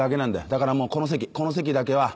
だからもうこの席この席だけは無礼講で。